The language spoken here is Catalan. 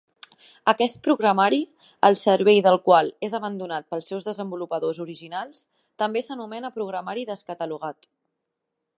Aquest programari el servei del qual és abandonat pels seus desenvolupadors originals també s'anomena programari descatalogat.